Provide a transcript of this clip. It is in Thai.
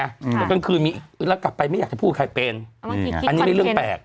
แล้วกลางคืนมีอีกแล้วกลับไปไม่อยากจะพูดกับใครเป็นนี่ไงอันนี้นี่เรื่องแปลก